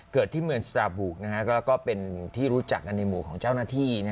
ที่เมืองสตาบุกแล้วก็เป็นที่รู้จักกันในหมู่ของเจ้าหน้าที่